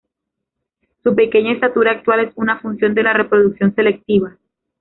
Su pequeña estatura actual es una función de la reproducción selectiva.